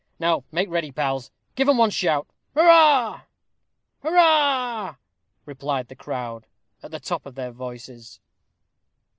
Now make ready, pals. Give 'em one shout Hurrah!" "Hurrah!" replied the crowd, at the top of their voices.